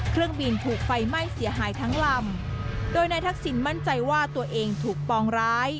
เครื่องบินถูกไฟไหม้เสียหายทั้งลำโดยนายทักษิณมั่นใจว่าตัวเองถูกปองร้าย